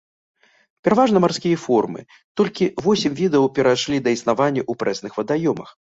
Пераважна марскія формы, толькі восем відаў перайшлі да існавання ў прэсных вадаёмах.